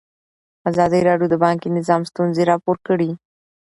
ازادي راډیو د بانکي نظام ستونزې راپور کړي.